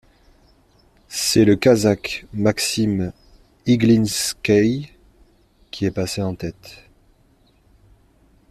C'est le Kazakh Maxim Iglinskiy qui est passé en tête.